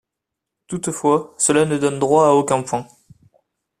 Toutefois, cela ne donne droit à aucun point.